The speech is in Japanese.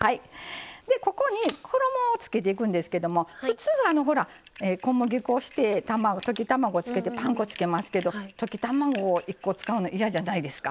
ここに衣をつけていくんですけども普通あのほら小麦粉して溶き卵つけてパン粉つけますけど溶き卵１個使うの嫌じゃないですか？